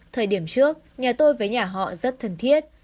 thời điểm trước nhà tôi với nhà họ rất thân thiết